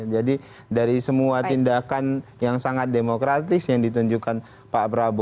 jadi dari semua tindakan yang sangat demokratis yang ditunjukkan pak prabowo selama ini ya tidak menjadi hal yang baik